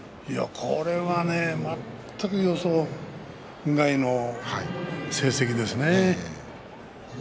これは全く予想外の成績でしたね。